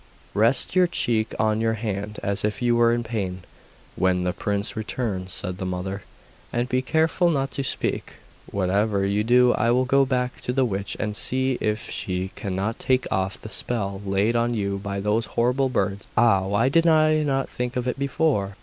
'Rest your cheek on your hand, as if you were in pain, when the prince returns,' said the mother; 'and be careful not to speak, whatever you do. I will go back to the witch and see if she cannot take off the spell laid on you by those horrible birds. Ah! why did I not think of it before!